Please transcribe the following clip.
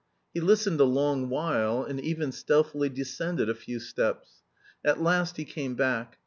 He listened a long while, and even stealthily descended a few steps. At last he came back.